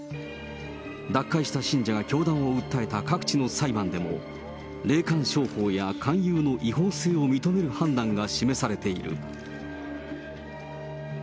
脱会した信者が教団を訴えた各地の裁判でも、霊感商法や勧誘の違法性を認める判断が示されている。